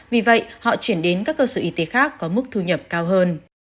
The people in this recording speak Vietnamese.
vì vậy họ chuyển đến các cơ sở y tế khác có mức thu nhập cao hơn